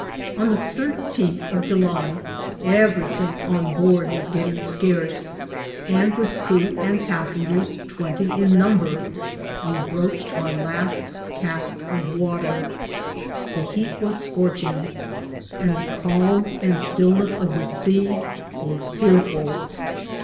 On the thirteenth of July everything on board was 464 INCIDENTS OF TRAVEL. getting scarce, and with crew and passengers twenty in number, we broached our last cask of water. The heat was scorching, and the calm and stillness of the sea were fearful.